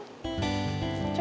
siapa di lab